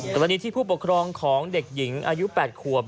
กรณีที่ผู้ปกครองของเด็กหญิงอายุ๘ขวบ